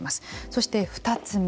そして、２つ目。